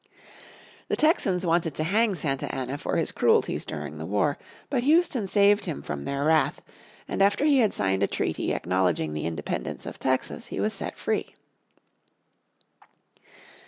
The Texans wanted to hang Santa Anna for his cruelties during the war, but Houston saved him from their wrath, and after he had signed a treaty acknowledging the independence of Texas he was set free.